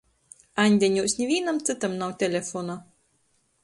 "Aņdeņūs" nivīnam cytam nav telefona.